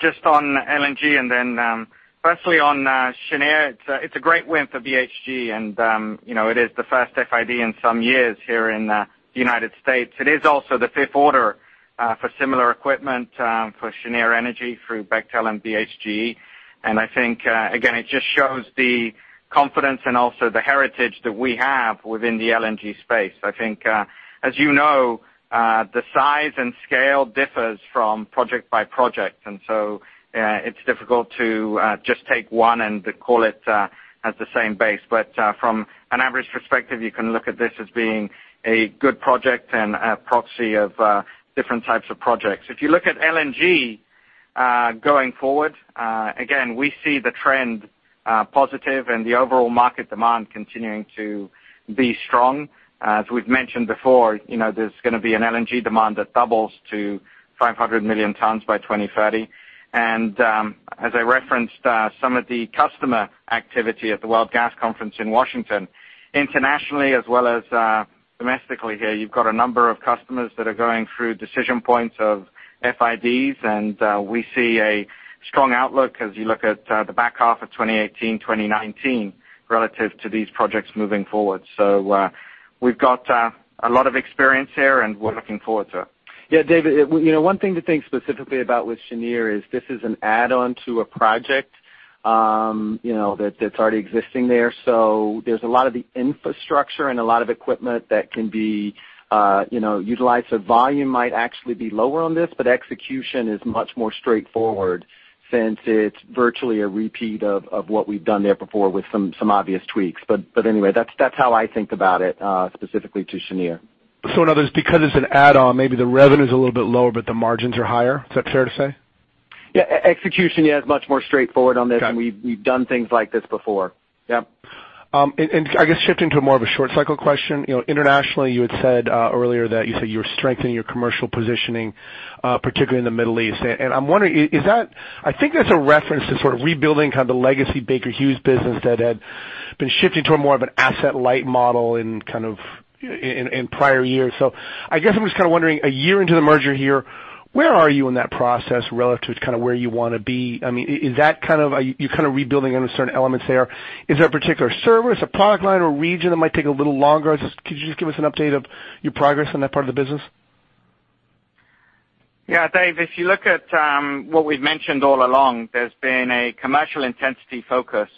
Just on LNG, firstly on Cheniere, it's a great win for BHGE and it is the first FID in some years here in the U.S. It is also the fifth order for similar equipment for Cheniere Energy through Bechtel and BHGE. I think, again, it just shows the confidence and also the heritage that we have within the LNG space. I think, as you know, the size and scale differs from project by project, it's difficult to just take one and call it as the same base. From an average perspective, you can look at this as being a good project and a proxy of different types of projects. If you look at LNG going forward, again, we see the trend positive and the overall market demand continuing to be strong. As we've mentioned before, there's going to be an LNG demand that doubles to 500 million tons by 2030. As I referenced, some of the customer activity at the World Gas Conference in Washington. Internationally as well as domestically here, you've got a number of customers that are going through decision points of FIDs, and we see a strong outlook as you look at the back half of 2018, 2019 relative to these projects moving forward. We've got a lot of experience here and we're looking forward to it. Yeah, David, one thing to think specifically about with Cheniere is this is an add-on to a project that's already existing there. There's a lot of the infrastructure and a lot of equipment that can be utilized. Volume might actually be lower on this, but execution is much more straightforward since it's virtually a repeat of what we've done there before with some obvious tweaks. Anyway, that's how I think about it specifically to Cheniere. In other words, because it's an add-on, maybe the revenue's a little bit lower, but the margins are higher. Is that fair to say? Yeah, execution is much more straightforward on this. Okay. We've done things like this before. Yep. I guess shifting to more of a short cycle question, internationally, you had said earlier that you said you were strengthening your commercial positioning, particularly in the Middle East. I'm wondering, I think that's a reference to sort of rebuilding kind of the legacy Baker Hughes business that had been shifting to a more of an asset-light model in prior years. I guess I'm just kind of wondering, a year into the merger here, where are you in that process relative to kind of where you want to be? I mean, are you kind of rebuilding on the certain elements there? Is there a particular service, a product line, or region that might take a little longer? Could you just give us an update of your progress on that part of the business? Yeah, Dave, if you look at what we've mentioned all along, there's been a commercial intensity focus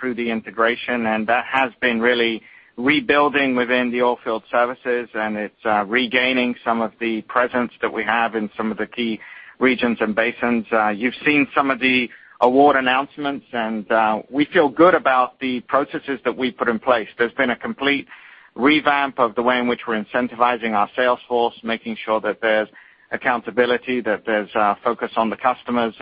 through the integration, and that has been really rebuilding within the Oilfield Services, and it's regaining some of the presence that we have in some of the key regions and basins. You've seen some of the award announcements, and we feel good about the processes that we've put in place. There's been a complete revamp of the way in which we're incentivizing our sales force, making sure that there's accountability, that there's focus on the customers.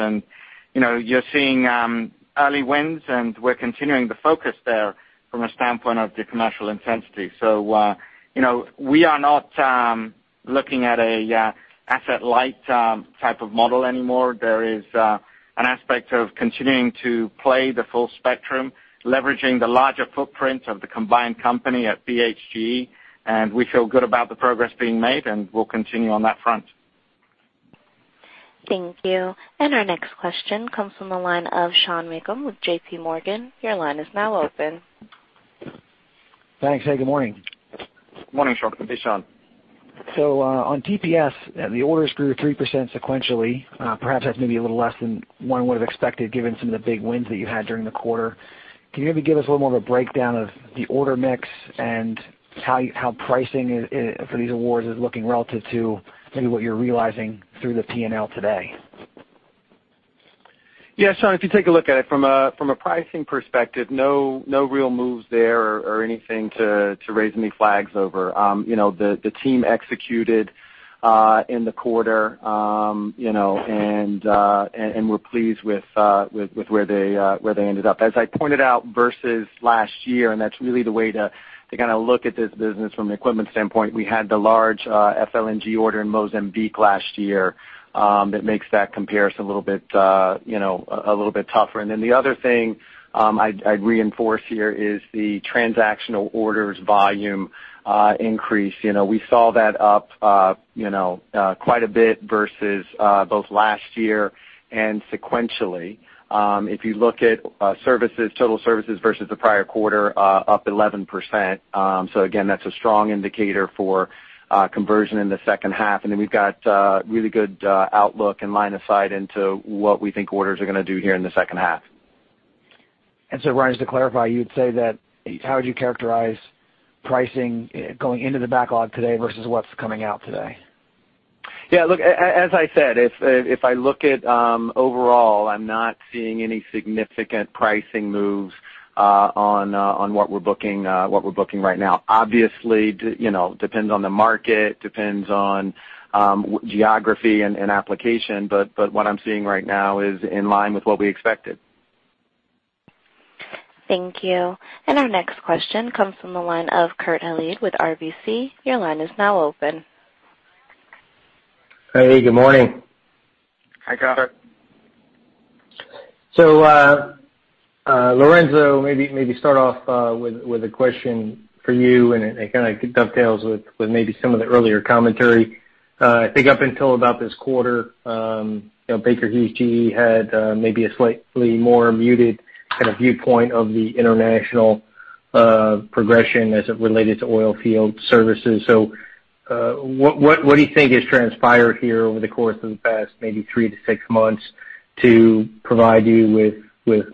You're seeing early wins, and we're continuing to focus there from a standpoint of the commercial intensity. We are not looking at an asset-light type of model anymore. There is an aspect of continuing to play the full spectrum, leveraging the larger footprint of the combined company at BHGE, and we feel good about the progress being made. We'll continue on that front. Thank you. Our next question comes from the line of Sean Meakim with JP Morgan. Your line is now open. Thanks. Hey, good morning. Morning, Sean. This is Sean. On TPS, the orders grew 3% sequentially. Perhaps that's maybe a little less than one would've expected given some of the big wins that you had during the quarter. Can you maybe give us a little more of a breakdown of the order mix and how pricing for these awards is looking relative to maybe what you're realizing through the P&L today? Sean, if you take a look at it from a pricing perspective, no real moves there or anything to raise any flags over. The team executed in the quarter, and we're pleased with where they ended up. As I pointed out versus last year, and that's really the way to kind of look at this business from an equipment standpoint, we had the large FLNG order in Mozambique last year. That makes that comparison a little bit tougher. The other thing I'd reinforce here is the transactional orders volume increase. We saw that up quite a bit versus both last year and sequentially. If you look at total services versus the prior quarter, up 11%. Again, that's a strong indicator for conversion in the second half. We've got a really good outlook and line of sight into what we think orders are going to do here in the second half. Brian, just to clarify, how would you characterize pricing going into the backlog today versus what's coming out today? Yeah, look, as I said, if I look at overall, I'm not seeing any significant pricing moves on what we're booking right now. Obviously, depends on the market, depends on geography and application, but what I'm seeing right now is in line with what we expected. Thank you. Our next question comes from the line of Kurt Hallead with RBC. Your line is now open. Hey. Good morning. Hi, Kurt. Lorenzo, maybe start off with a question for you, and it kind of dovetails with maybe some of the earlier commentary. I think up until about this quarter Baker Hughes GE had maybe a slightly more muted kind of viewpoint of the international progression as it related to Oilfield Services. What do you think has transpired here over the course of the past maybe three to six months to provide you with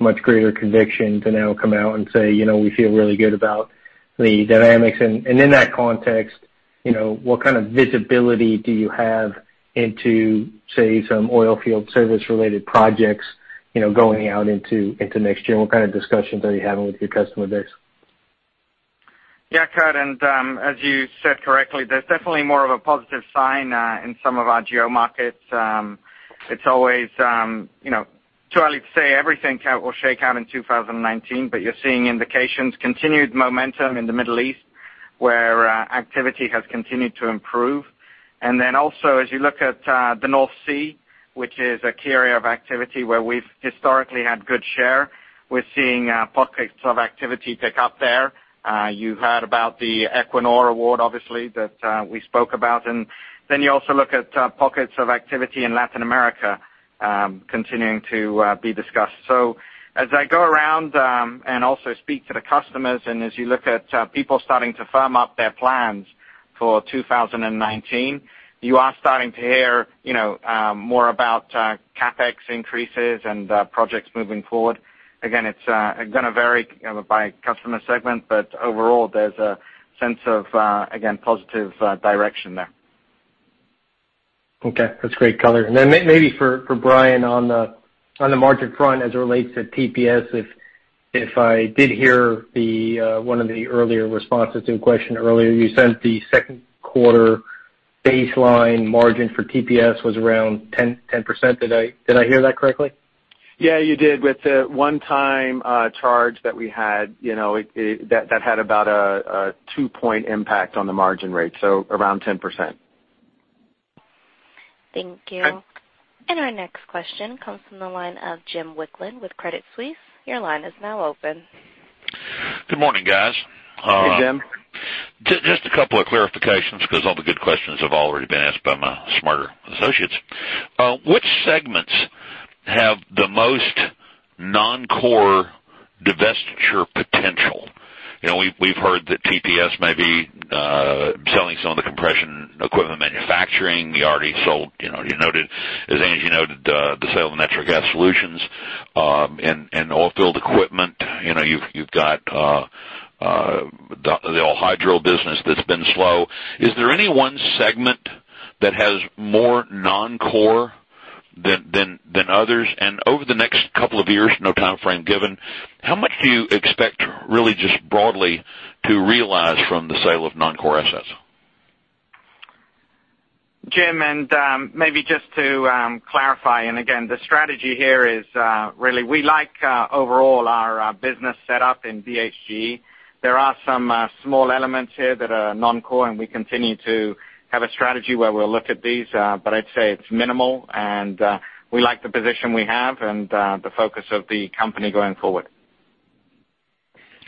much greater conviction to now come out and say, "We feel really good about the dynamics"? In that context, what kind of visibility do you have into, say, some Oilfield Service-related projects going out into next year? What kind of discussions are you having with your customer base? Yeah, Kurt, as you said correctly, there's definitely more of a positive sign in some of our geo markets. It's always too early to say everything will shake out in 2019, but you're seeing indications, continued momentum in the Middle East, where activity has continued to improve. Also as you look at the North Sea, which is a key area of activity where we've historically had good share, we're seeing pockets of activity pick up there. You heard about the Equinor award, obviously, that we spoke about. Also you look at pockets of activity in Latin America continuing to be discussed. As I go around and also speak to the customers, and as you look at people starting to firm up their plans for 2019, you are starting to hear more about CapEx increases and projects moving forward. Again, it's going to vary by customer segment, but overall, there's a sense of, again, positive direction there. Okay. That's great color. Maybe for Brian on the market front as it relates to TPS, if I did hear one of the earlier responses to a question earlier, you said the second quarter baseline margin for TPS was around 10%. Did I hear that correctly? Yeah, you did. With the one-time charge that we had, that had about a two-point impact on the margin rate, so around 10%. Thank you. Okay. Our next question comes from the line of Jim Wicklund with Credit Suisse. Your line is now open. Good morning, guys. Hey, Jim. Just a couple of clarifications because all the good questions have already been asked by my smarter associates. Which segments have the most non-core divestiture potential? We've heard that TPS may be selling some of the compression equipment manufacturing. You already sold, as Angie noted, the sale of Natural Gas Solutions and Oilfield Equipment. You've got the all hydro business that's been slow. Is there any one segment that has more non-core than others? Over the next couple of years, no timeframe given, how much do you expect, really just broadly, to realize from the sale of non-core assets? Jim, maybe just to clarify, again, the strategy here is really we like overall our business set up in BHGE. There are some small elements here that are non-core, and we continue to have a strategy where we'll look at these, but I'd say it's minimal and we like the position we have and the focus of the company going forward.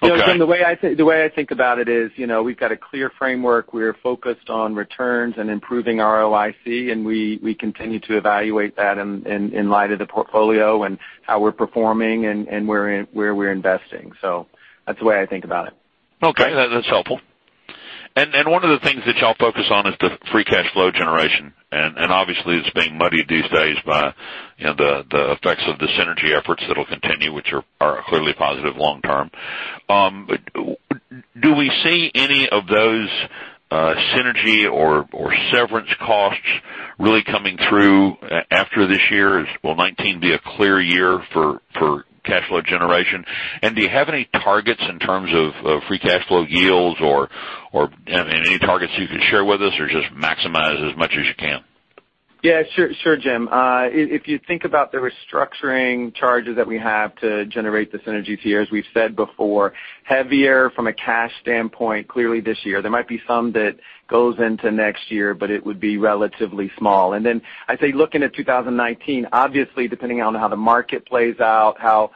Jim, the way I think about it is we've got a clear framework. We're focused on returns and improving ROIC, and we continue to evaluate that in light of the portfolio and how we're performing and where we're investing. That's the way I think about it. Okay. That's helpful. One of the things that y'all focus on is the free cash flow generation, and obviously it's being muddied these days by the effects of the synergy efforts that'll continue, which are clearly positive long term. Do we see any of those synergy or severance costs really coming through after this year? Will 2019 be a clear year for cash flow generation? Do you have any targets in terms of free cash flow yields or any targets you could share with us or just maximize as much as you can? Yeah, sure, Jim. If you think about the restructuring charges that we have to generate the synergies here, as we've said before, heavier from a cash standpoint, clearly this year. There might be some that goes into next year, but it would be relatively small. Then I'd say looking at 2019, obviously depending on how the market plays out, how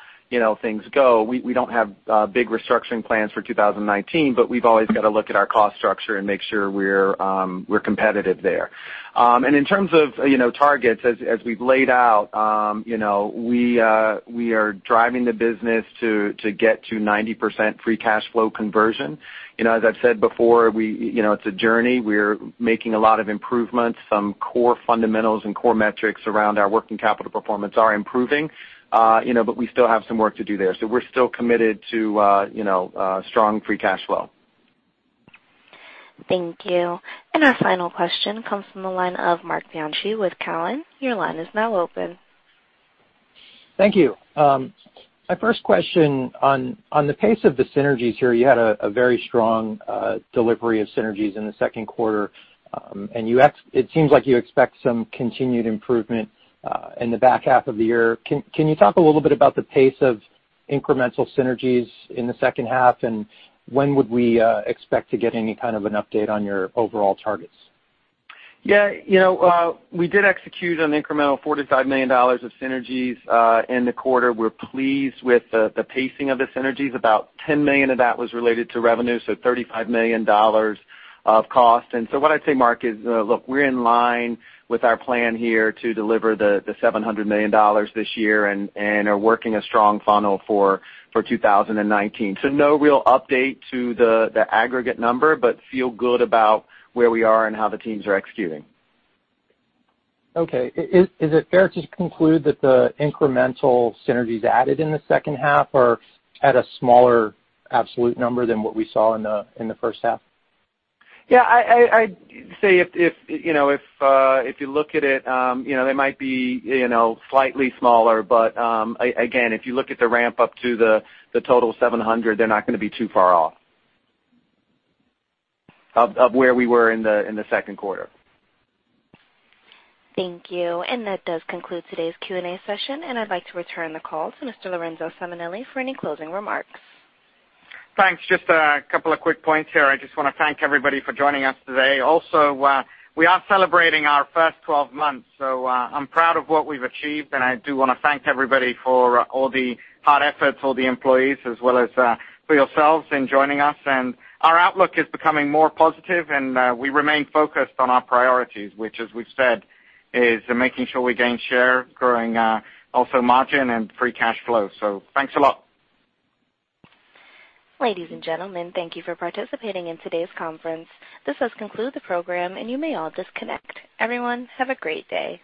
things go, we don't have big restructuring plans for 2019, but we've always got to look at our cost structure and make sure we're competitive there. In terms of targets, as we've laid out, we are driving the business to get to 90% free cash flow conversion. As I've said before, it's a journey. We're making a lot of improvements. Some core fundamentals and core metrics around our working capital performance are improving, but we still have some work to do there. We're still committed to strong free cash flow. Thank you. Our final question comes from the line of Marc Bianchi with Cowen. Your line is now open. Thank you. My first question on the pace of the synergies here, you had a very strong delivery of synergies in the second quarter. It seems like you expect some continued improvement in the back half of the year. Can you talk a little bit about the pace of incremental synergies in the second half, and when would we expect to get any kind of an update on your overall targets? Yeah. We did execute on incremental $45 million of synergies in the quarter. We're pleased with the pacing of the synergies. About $10 million of that was related to revenue, so $35 million of cost. What I'd say, Marc, is look, we're in line with our plan here to deliver the $700 million this year and are working a strong funnel for 2019. No real update to the aggregate number, but feel good about where we are and how the teams are executing. Okay. Is it fair to conclude that the incremental synergies added in the second half are at a smaller absolute number than what we saw in the first half? Yeah. I'd say if you look at it, they might be slightly smaller, but again, if you look at the ramp up to the total 700, they're not going to be too far off of where we were in the second quarter. Thank you. That does conclude today's Q&A session. I'd like to return the call to Mr. Lorenzo Simonelli for any closing remarks. Thanks. Just a couple of quick points here. I just want to thank everybody for joining us today. Also, we are celebrating our first 12 months. I'm proud of what we've achieved, and I do want to thank everybody for all the hard efforts, all the employees, as well as for yourselves in joining us. Our outlook is becoming more positive, and we remain focused on our priorities, which as we've said, is making sure we gain share, growing also margin and free cash flow. Thanks a lot. Ladies and gentlemen, thank you for participating in today's conference. This does conclude the program. You may all disconnect. Everyone, have a great day.